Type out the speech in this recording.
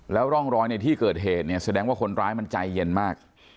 แล้วร่องรอยที่เกิดเหตุแสดงว่าคนร้ายมันใจเย็นมาก